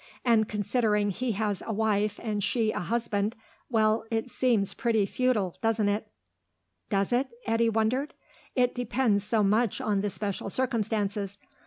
And considering he has a wife and she a husband ... well, it seems pretty futile, doesn't it?" "Does it?" Eddy wondered. "It depends so much on the special circumstances.